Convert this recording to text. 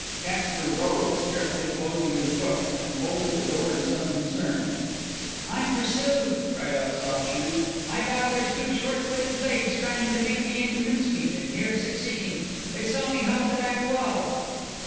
Caxter rose, carefully closing his book, and bolted the door in some concern. "I'm pursued," cried out Soft Shoes. "I vow there's two short witted blades trying to make me into mincemeat and near succeeding. They saw me hop the back wall!"